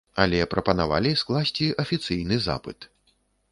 Але прапанавалі скласці афіцыйны запыт.